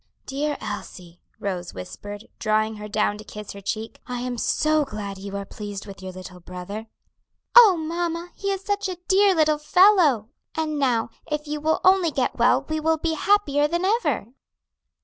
"Dear Elsie," Rose whispered, drawing Her down to kiss her cheek, "I am so glad you are pleased with your little brother." "Oh, mamma, he is such a dear little fellow!" Elsie answered eagerly; "and now, if you will only get well we will be happier than ever."